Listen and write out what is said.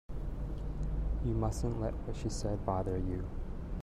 You mustn't let what she said bother you.